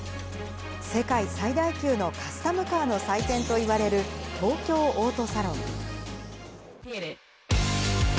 世界最大級のカスタムカーの祭典といわれる東京オートサロン。